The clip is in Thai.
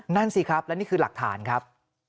นั่นสิครับและนี่คือหลักฐานครับ